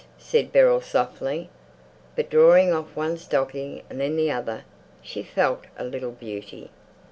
said Beryl softly; but, drawing off one stocking and then the other, she felt a little beauty.